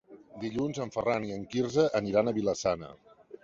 Dilluns en Ferran i en Quirze aniran a Vila-sana.